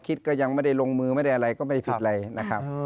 ก็ยังไม่ได้ลงมือไม่ได้อะไรก็ไม่ได้ผิดอะไรนะครับ